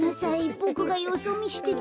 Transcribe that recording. ボクがよそみしてたから。